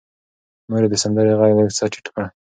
مور یې د سندرې غږ لږ څه ټیټ کړ.